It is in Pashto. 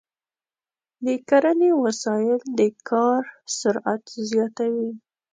د کرنې وسایل د کار سرعت زیاتوي.